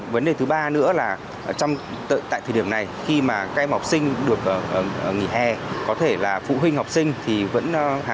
vấn đề thứ ba nữa là tại thời điểm này khi các em học sinh được nghỉ hè có thể là phụ huynh học sinh thì hằng ngày vẫn đi làm